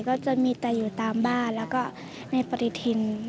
ก็จะมีแต่อยู่ตามบ้านแล้วก็ในปฏิทิน